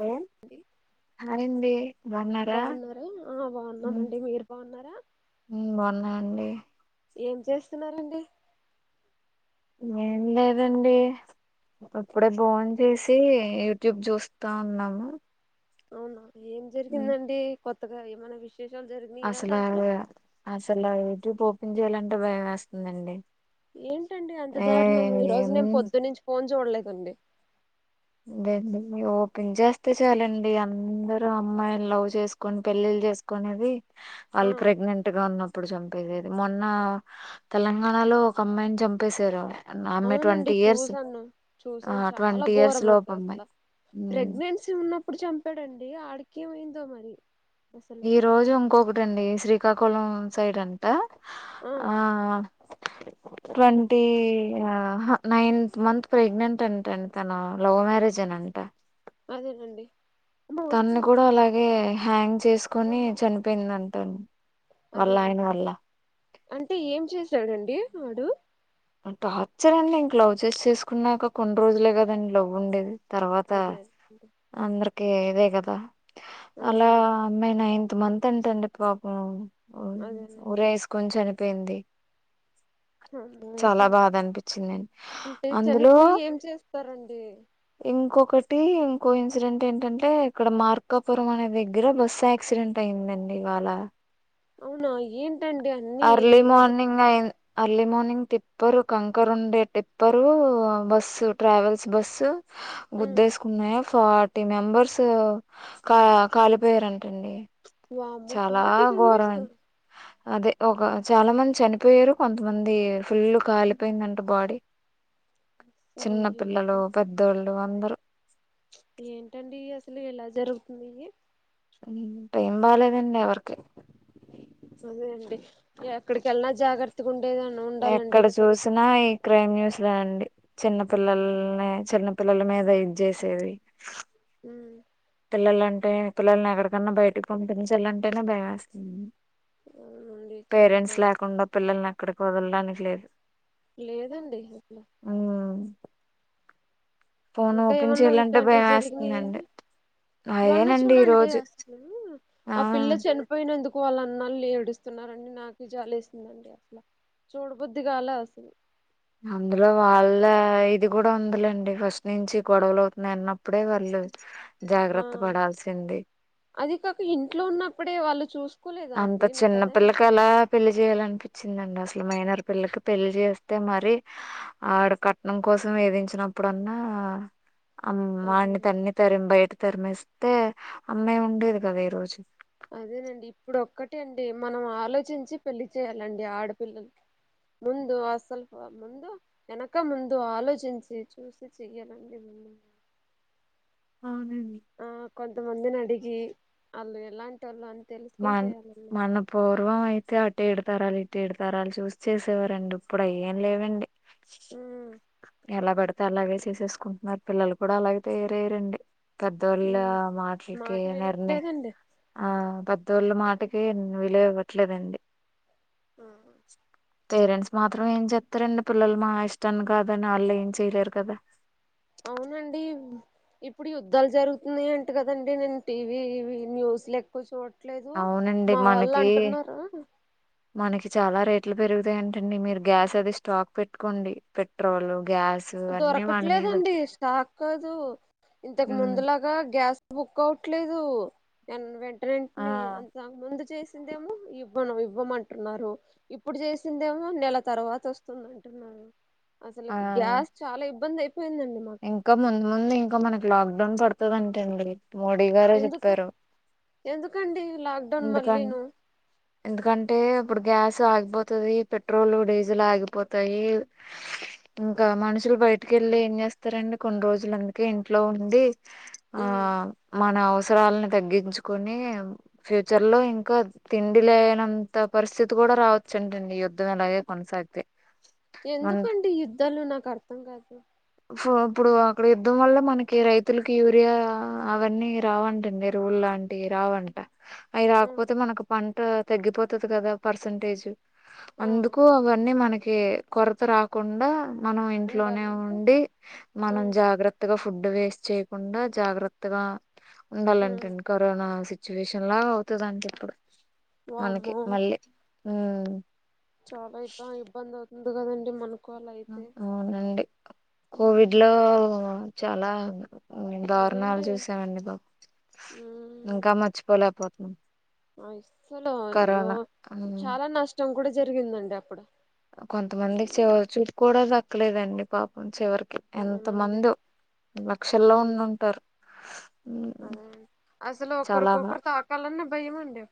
Hi! అండి అండి. బావున్నారా? బాగున్నారా ఆ మ్, బాగున్నామండి మీరు బాగున్నారా బావున్నా అండి. ఏం, చేస్తున్నారండి? ఏం, లేదండి. అప్పుడే బోన్ చేసి, యూట్యూబ్ చూస్తా ఉన్నాము. అవునా? ఏం జరిగిందండి? కొత్తగా ఏమైనా విశే? అసల ఆ, అసలు, ఆ యుట్యూబ్ ఓపన్ చేయాలంటే భయం వేస్తుందండి. ఏంటండి అంత ఏ ధారణము? ఈ రోజు నేను ఏండి పోదున్న నుంచి ఫోన్ చూడలేదు అండి. వెన్ [unintelligible] మూవ [unintelligible] మీ, ఓపెన్ చేస్తే చాలండి, అందరు అమ్మాయిలు లవ్ చేసుకున పెళ్ళిళ్. జేసుకునేది, ఆ వాళ్లు ప్రెగ్నెంట్‌గా ఉన్నప్పు. అప్పుడు చెప్పేదేదే, మొన్న తెలంగాణలో ఒక అమ్మాయిని చంపేశారా? అవును అండి చూసాను, ఆ చూసాను చాలా ట్వంటీ ఇయర్స్ ఘోరం. లోపు నాకే అమ్మాయి అసలా, ఉమ్ ప్రెగ్నెన్సీ ఉన్నప్పుడు చంపాడండి ఆడి కే ఏమైందో మరి. అసలు ఈ రోజు ఇంకొకటండి, శ్రీకాకుళం సైడ్ అంట. ఆ [unintelligible] ట్వంటీ ఆహా? నైన్త్ మంత్ ప్రెగ్నెంట్ అంటంట అండి. తను లవ్ మ్యారేజ్ న్నాట. అంట. అదేనండి. అమ్మ తనని వస్తుందండి గూడా నాన్న అలాగే హ్యాంగ్ ఫోన్ చేసుకొని, లో చనిపోయిందంట అండి. వాళ్ల, అదే ఆయన వల్ల. అంటే ఏం చేశాడండి వాడు? టార్చర్ అండి. ఇంక లవ్ చేస్ చేసుకున్నాక, కొన్ని రోజులే కదండి లవ్ ఉండేది. తర్వాత అదే అందరికి ఇదే కదా. అలా అవునండి అమ్మాయి నైత్ నైన్త్ మంత్ అంట అండి. పాపం, అదేనండి ఊరీ వేసుకొని చనిపోయింది. చాలా ఆహా బాధ అనిపించిందండి. అంటే అందులో చనిపోయి ఏం చేస్తారండి ఇంకొక.. ఇప్పటి ఇంకో ఇన్సిడెంట్ ఏంటంటే, ఇక్కడ మార్కాపురం అనే దగ్. దగ్గర బస్సు యాక్సిడెంట్ అయిందండి, ఇవాళ. అవునా? ఏంటండి, అన్ని అర్లీ ఇలా? జరు మార్నింగ్ అయి అర్లీ మార్నింగ్ టిప్పరు, కంకరు ఉండే టిప్పరు, బస్సు ఉమ్ ట్రావెల్స్ బస్సు. ఉమ్ గుద్దేసుకున్నాయా? ఫార్టీ మెంబర్స్, కా కాలిపోయారంట అండి. వామ్మో చాలా, ఫార్టీ మెంబర్స్ ఘోరమండి. అదే ఒక చాలా మంది చనిపోయారు. కొంతమంది ఫుల్ అసలు కాలిపోయిందంట, బాడీ. చిన్న అయ్యో పిల్లలు, పెద్దోళ్లు, అందరూ. ఏంటండీ, అసలు ఎలా జరుగుతున్నాయి? టైం బాగా లేదండీ, ఎవరికి. అదే అండీ, ఎక్కడికి వెళ్లినా జాగ్రత్తగా ఉండేదే ఉండాలండీ ఎక్కడ ఇప్పుడు. చూసినా ఈ క్రైమ్ న్యూస్ లో అండి, చిన్న పిల్లలనే చిన్న పిల్లల మీద ఇది జేసేది. ఉమ్ పిల్లలంటే, పిల్లల్ని ఎక్కడికన్నా బయటికి పంపించాలంటేనే భయం వేస్తుంది. అవునండి చాలా పేరెంట్స్ భయం లేకుండా, పిల్లల్ని ఏక్కడికి వదలడానికి లేదు మ్, లేదండి అసలు ఉమ్మ్. ఇంకా, ఓపెన్ ఏమన్నా చేయాలంటే వీటంటివి భయం జరిగినాయి, వేస్తుందండి ఏంటి? మొన్న అయేనండి ఈ చూడండి రోజు అసలు ఆ పిల్ల చనిపోయిన నందుకు తక్కువళన్నాళ్ళ ఏడుస్తున్నారండి నాకు జాల వేస్తుందండి అసలు చూడ బుద్దిగాల అసలు అందులో వాళ్ళ ఇది కూడా ఉందిలేండి ఫస్ట్ నుంచి గొడవలు అవుతుంది అన్నప్పుడే వాళ్ళ ఆ జాగ్రత్త పడాల్సింది అది కాక ఇంట్లో ఉన్నప్పుడే వాళ్ళు చూస్త అంత చిన్నపిల్లకి అలా పెళ్లి చేయాలనిపించి ఉందండి అసలు మైనార్ పిల్లకి పెళ్లి చేస్తే మరి ఆడు కట్నం కోసం వేధించినప్పుడు అన్నా అమ్ వాణ్ని అదేనండి తన్ని, తరిమి బయట తరిమిస్తే, అమ్మాయి ఉండేది కదా ఈ రోజు. అదేనండి, ఇప్పుడు ఒక్కటే అండి. మనం ఆలోచించి పెళ్లి చేయాలండి ఆడపిల్లల్క్. ముందు ఆసలు ముందు వెనక ముందు ఆలోచించి చూసి చెయ్యాలండి హా ఆ కొంతమందిని అడిగి అల్లు ఎలాంటి వాళ్ళు అంత మన మన పూర్వం అయితే అటే ఎడు తరాలు ఇట్టేడు తరాలు చూసి చేసేవారండి ఇప్పుడు అ ఏం లేవండి ఉమ్ ఎలా పడితే అలాగే చేసేసుకుంటున్నారు పిల్లలు కూడా అలాగే తయరయ్య రండి పెద్దోళ్ళ ఉమ్ మాటలకి మాట నిర్ణ వినట్లేదండి ఆ పెద్ద వీళ్ళ మాటకి విలువ ఇవ్వట్లేదండి ఉమ్ పేరెంట్స్ మాత్రం ఏం చెప్తారండి పిల్లలు మా ఇష్టన్ని కాదని వాళ్ళు ఏం చేయలేరు కదా అవునండి ఇప్పుడు యుద్ధాలు జరుగుతున్నాయి అంట కదండి నేను టీవీ న్యూస్ ఎక్కువ చూడ ట్లేదు అవునండి మా వాళ్ళు మనకి అంటున్నారు మనకి చాలా రేట్లు పెరుగుతాయంటండి మీరు గ్యాస్ అది స్టాక్ పెట్టుకోండి పెట్రోల్ గ్యాస్ అన్నీ వాని మీద దొరకట్లేదండి స్టాక్ కాదు ఇంతకు ఉమ్ ముందులాగా గ్యాస్ బుక్ అవట్లేదు న ఆ వెంటనేంటిని అంత ముందు చేసిందేమో ఈ ఇవ్వను ఇవ్వమంటున్నారు ఇప్పుడు చేసిందేమో నెల తర్వాత వస్తుంద అంటున్నారు అసలు ఆ గ్యాస్ చాలా ఇబ్బంది అయిపోయిందండి మాకు ఇంకా ముందు ముందు ఇంకా మనకి లాక్డౌన్ పడుతుందింటండి మోడీ గారే ఎందుక చెప్పారు ఎందుకండి లాక్డౌన్ ఎందుక మళ్ళీను ఎందుకంటే ఇప్పుడు గ్యాస్ ఆగిపోతది పెట్రోల్ డీజిల్ ఆగిపోతాయి ఇంకా మనుషులు బయటకిెళ్ళలి ఏం చేస్తారండి కొన్ని రోజుల అందుకే ఇంట్లో ఉంది ఆ ఉమ్ మన అవసరాలను తగ్గించుకొని ఫ్యూచర్ లో ఇంకా తిండి లేనంత పరిస్థితి కూడా రావచ్చుంటండి యుద్ధం ఎలాగే కొనసాగితే మనం ఎందుకండి యుద్ధాలు నాకు అర్థం కాదు ఇప్పుడు అక్కడ యుద్ధం వల్ల మనకి రైతులకి యూరియా అవన్నీ రావంటండి ఎరువుల అంటివి రావంట అవి ఆ రాకపోతే మనకు పంట తగ్గిపోతుంది కదా పర్సంటేజ్ ఆ అందుకు అవన్నీ మనకి కొరత రాకుండా మనం ఇంట్లోనే ఉం ఉండాలంటే ఆ మనం జాగ్రత్తగా ఫుడ్ వేస్ట్ చేయకుండా జాగ్రత్తగా ఉమ్ ఉండాలంటేండి కరోనా సిచ్యువేషన్ లా అవుతుందింటే ఇప్పుడు మనకి వామ్మో మళ్ళీ హ చాలా ఇబ్బ ఇబ్బంది అవుతుంది కదండి మనకు అలా అయితే అవునండి కోవిడ్ ఉమ్, లో చాలా దారుణాలు అదేంటి చూసామండి బాబు ఇంకా మర్చిపోలేకపోతున్నాం అసలు కరోనా ఉమ్, చాలా నష్టం కూడా జరిగిందండి అప్పుడు కొంతమందికి ఉమ్ చివరి చూపు కూడా దక్కలేదండి పాపం చివరికి ఎంత అవునండి మందో లక్షల్లో ఉమ్ ఉండింటారు అదే అసలు ఒకరికొకరు తాకాలన్న భయ ఆ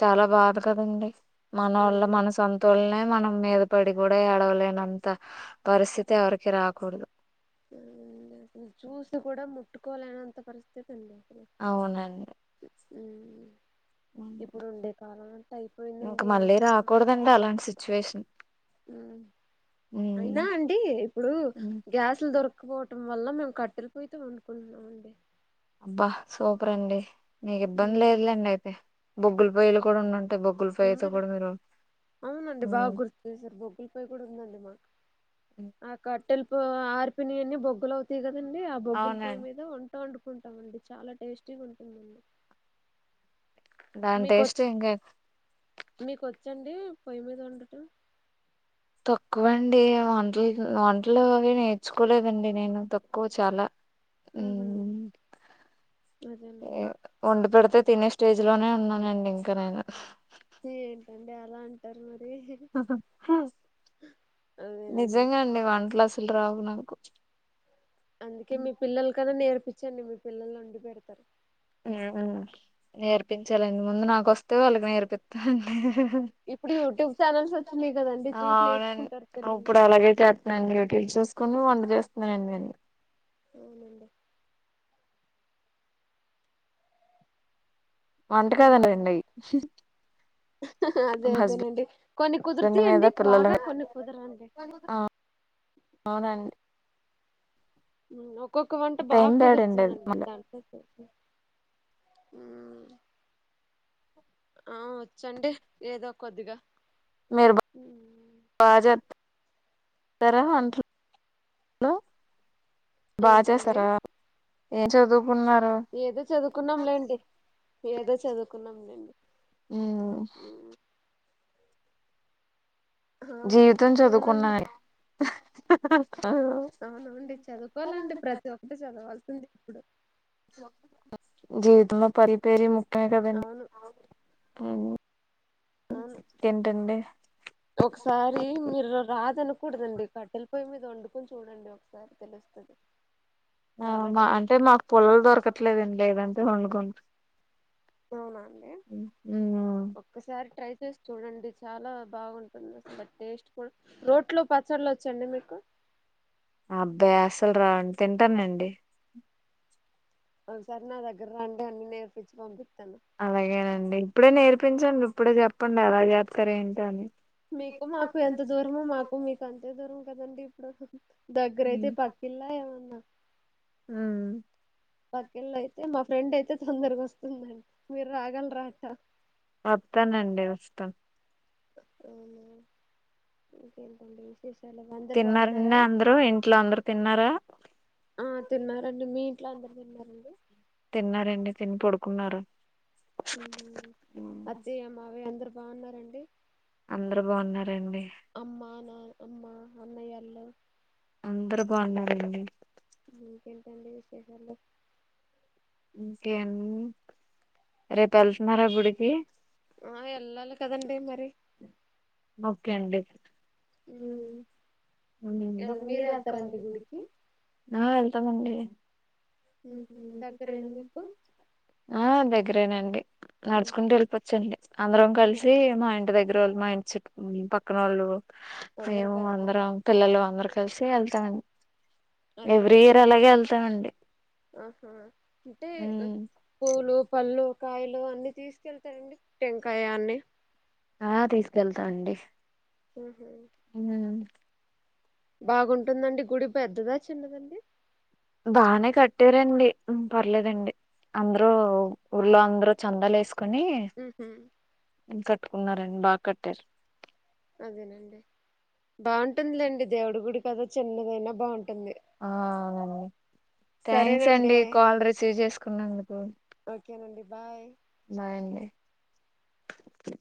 చాలా బాధ కదండి మన వల్ల అవును మన సంతోలనే మన మీద పడి కూడా ఏడవలేనంత పరిస్థితి ఎవరికి రాకూడదు అ అసలు చూసి కూడా ముట్టుకోలేనంత పరిస్థితి అవునండి హ్మ్మ్ ఇంకా అయిపోయిందండి ఏం మళ్ళీ రాకూడదండి అలాంటి సిచ్యువేషన్ హ్మ్మ్ ఉమ్, అయినా అండి ఇప్పుడు ఉమ్. గ్యాస్లు దొరకపోవటం వల్ల మేము కట్టెలిపోయి వండుకున్నామండి అబ్బా సూపర్ అండి నీకు ఇబ్బంది ఉమ్ లేదులేండి అయితే బొగ్గులు పొయ్యలు కూడా ఉండంటాయి ఉంది అవునండి బాగా మ్మ్ గుర్తు చేసారు బొగ్గులపొయ్యి కూడా ఉందండి మాకు ఆ కట్టెల ప ఆర్పిని అన్నీ బొగ్గులు అవుతాయి కదండీ ఆ బొగ్గుల పొయ్య అవునండి మీద వంట వండు కుంటం అనుకుంటామండి చాలా టేస్టీగా ఉంటుందండి దాని మీకొచ్చ టేస్ట్ ఇంకా మీకొచ్చండి పొయ్యి మీద వండటం తక్కువ అండి వంటలు వంటలు అవి నేర్చుకోలేదండి నేను తక్కువ చాలా ఉహూ మ్మ్ మరేమండి వండి పెడితే తినే స్టేజ్ లోనే ఉన్నానండి ఇంకా నేను ఏంటండి అలా అంటారు మ అదేనండి నిజంగా అండి వన్ ప్లస్ రావు నాకు అందుకే మీ పిల్లలు కన్నా నేర్పించండి మీ పిల్లలు వండి పెడతారు ఆ నేర్పించాల ఇంత ముందు నాకు వస్తే వాళ్ళకి నేర్పిస్తాండి ఇప్పుడు యూట్యూబ్ ఛానల్స్ వచ్చినాయి కదండి చూసి అవునండి నేర్చుకుంటారు పిల్లలు ఇప్పుడు అలాగేతేస్తున్నాండి యూట్యూబ్ చూ కుని వండు చేేస్తున్నాండి నేను అవునండి వంటకాదండ ఉమ్. రండి అదే అదేనండి కొన్ని హస్బెండ్ మీద కుదిరుతాయండి పిల్లల బాగా మీద కొన్ని కుదరవండి ఆ అవునండి ఒక్కొక్క వంట బాగా టైం బ్యాడండి అది కుదురుతుందండి మళ్ళీ దానికోస హ్మ్మ్ ఆ వచ్చండి ఏదో కొద్దిగా మరి ఉమ్, బా చెప్పారు [unintelligible] బా ఏంటండి చేస్తారా ఏం చదువు ఏదో చదువుకున్నాంలేండి ఏదో చదువుకున్నాంలేండి ఉమ్, [inaudible] ఆ, జీవితం అవునండి చదువుకున్నానులే అవునండి చదువుకోవాలండి ప్రతి ఒక్కటి చదవాల్సింది ఇప్పుడు జీవితంలో పరి పేర ముఖ్యమే కదండి అవును అవును ఇంకేంటండి ఒకసారి మీరు రాదను కూడదండి కట్టెల పొయి మీద వండుకొని చూడండి ఒకసారి తెలుస్తుంది ఆ మా అంటే మాకు పుల్లలు దొరకట్లేదండి లేదంటే వండుగం అవునండి ఒక్కసారి ట్రై చూడండి చాలా బాగుంటుంది అసలు బ టేస్ట్ కూడా రోట్లో పచ్చళ్ళ వచ్చండి మీకు అబ్బే అసలు రావండి తింటానండి ఒకసారి నా దగ్గర రండి అన్ని నేర్పించి పం అలాగేనండి ఇప్పుడే నేర్పించండి ఇప్పుడే చెప్పండి ఎలా చేప్తారు ఏంటి అని మీకు మాకు ఎంత దూరమో మాకు మీకు అంతే దూరం కదండి ఇప్పుడు దగ్గర అయితే ఉమ్. పక్కిళ్ళ ఏమన్నా ఉమ్ పక్కిల్లు అయితే మాకు ఫ్రెండ్ అయితే తొందరగా వస్తుందండి మీరు రాగలర అక్క వత్తానండి వస్తా అవునా ఇంకేంటండి అందరు తిన్నారండి బాగున్నారా అందరూ ఇంట్లో అందరు తిన్నారా ఆ తిన్నారండి మీ ఎట్లా అందరు తిన్నారండి తిన్నారండి తిని పడుకున్నారు అత్తయ్య మావయ్య అందరు బాగున్నార అండి అందరు బాగున్నారంండి అమ్మా నా అమ్మా అన్నయల్లు అందరు బావున్నారండి ఇంకేం టండి విశేషాలు ఇంకేంముంది రేపు వెళ్తున్నారా గుడికి ఆ వెళ్ళాలి కదండి మరి ఓకే అండి ఉ నీవు కూడా వెళ్తావా గుడికి.. ఊ వెళ్తానండి ఊహు. దగ్గరేనా మీకు ఆ దగ్గరేనండి ఉమ్. నడుచుకుంటూ వెళ్ళిపొచ్చండి అందరం కలిసి మా ఇంటి దగ్గర వాళ్ళు మా ఇంటి చుట్ పక్కన వాళ్ళు అందరు మేము కలిసారు అందరం పిల్లలు అందరు కలిసి వెళ్తామండి ఎవ్రీ అదేనండి ఇయర్ అలాగే వెళ్తామండి ఆహా అంటే పూలు పళ్ళు కాయలు అన్ని తీసుకెళ్తారండి టెంకాయ అన్ని ఆ తీసుకెళ్తా అండి. ఊహు. ఊ బాగుంటుందండి గుడి పెద్దదా చిన్నదండి బానే కట్టారండి పర్లేదండి ముంద్ర ఊర్లో ఆంధ్రు చందాల వేస్క అని ఉహు కట్టుకున్నారండి బాగా కట్టారు అదేనండి బాగుంటుందిలేండి దేవుడి గుడి కదా చిన్నదైనా బాగుంటు మ్ అవునండి థ్యాంక్స్ సరేనండి అండి కాల్ రిసీవ్ చేసుకున్నాందుకు ఓకేనండి బాయ్ బాయండి